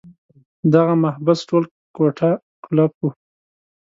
دغه محبس ټول کوټه قلف وو.